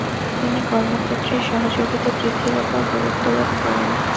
তিনি কর্মক্ষেত্রে সহযোগিতা বৃদ্ধির ওপর গুরুত্বরোপ করেন।